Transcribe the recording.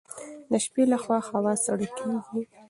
د شپې لخوا هوا سړه کیږي.